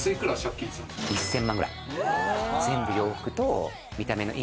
１０００万くらい。